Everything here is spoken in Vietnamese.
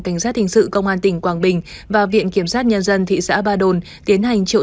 cảnh sát hình sự công an tỉnh quảng bình và viện kiểm sát nhân dân thị xã ba đồn tiến hành triệu